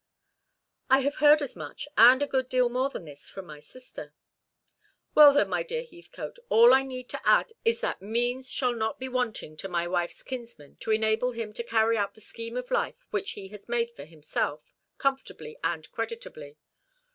"I have heard as much, and a good deal more than this, from my sister." "Well, then, my dear Heathcote, all I need add is that means shall not be wanting to my wife's kinsman to enable him to carry out the scheme of life which he has made for himself, comfortably and creditably.